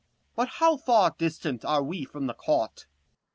Corn. But how far distant are we from the court